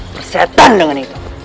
bersetan dengan itu